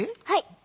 はい。